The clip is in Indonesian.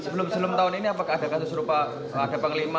sebelum sebelum tahun ini apakah ada kasus serupa ada panglima